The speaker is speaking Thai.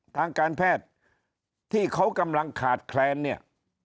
ทางการแพทย์ที่เขากำลังขาดแคลนเนี่ย